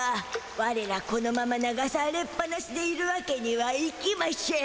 ワレらこのまま流されっぱなしでいるわけにはいきましぇん。